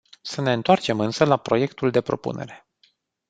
Să ne întoarcem însă la proiectul de propunere.